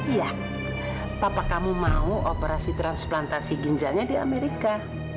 iya papa kamu mau operasi transplantasi ginjalnya di amerika